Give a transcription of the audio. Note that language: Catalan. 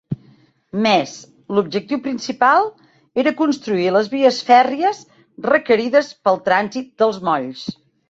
Més, l'objectiu principal, era construir les vies fèrries requerides pel trànsit dels molls.